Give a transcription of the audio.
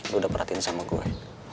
gue udah perhatiin sama gue